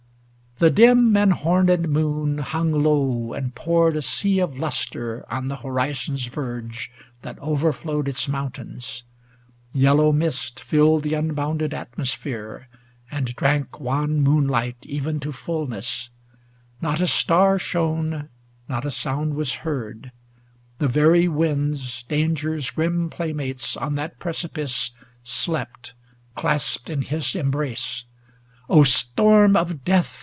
The dim and horned moon hung low, and poured A sea of lustre on the horizon's verge That overflowed its mountains. Yellow mist Filled the unbounded atmosphere, and drank Wan moonlight even to fulness ; not a star Shone, not a sound was heard ; the very winds. Danger's grim playmates, on that precipice Slept, clasped in his embrace. ŌĆö O storm of death.